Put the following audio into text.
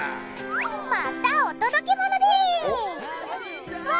またお届け物です！